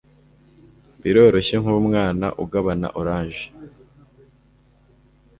Biroroshye nkumwana ugabana orange